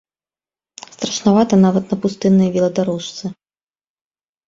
Страшнавата нават на пустыннай веладарожцы.